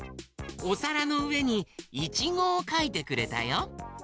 おさらのうえにいちごをかいてくれたよ。